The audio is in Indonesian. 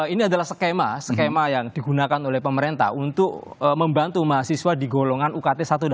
ini adalah skema yang digunakan oleh pemerintah untuk membantu mahasiswa di golongan ukt satu dua